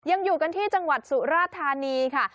ยังอยู่กันที่จังหวัดสุราธานีค่ะ